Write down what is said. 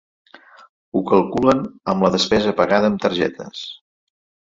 Ho calculen amb la despesa pagada amb targetes.